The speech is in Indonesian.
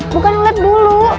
bukan ulat bulu